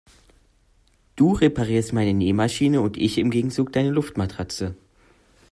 Du reparierst meine Nähmaschine und ich im Gegenzug deine Luftmatratze.